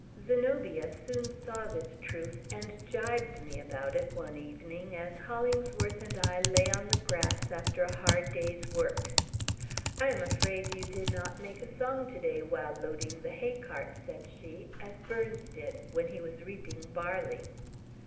Zenobia soon saw this truth, and gibed me about it, one evening, as Hollingsworth and I lay on the grass, after a hard day's work. "I am afraid you did not make a song today, while loading the hay cart," said she, "as Burns did, when he was reaping barley."